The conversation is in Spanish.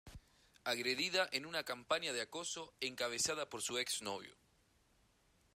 agredida en una campaña de acoso encabezada por su exnovio